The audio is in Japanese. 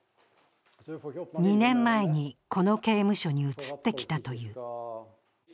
２年前にこの刑務所に移ってきたという。